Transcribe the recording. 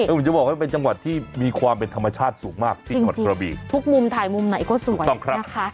แต่ผมจะบอกว่าเป็นจังหวัดที่มีความเป็นธรรมชาติสูงมากที่อดกระบีจริงทุกมุมไทยมุมไหนก็สวยนะคะ